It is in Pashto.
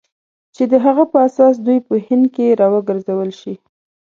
چې د هغه په اساس دوی په هند کې را وګرځول شي.